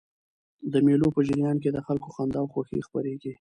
د مېلو په جریان کښي د خلکو خندا او خوښي خپریږي.